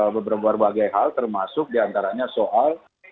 beberapa hal termasuk diantaranya soal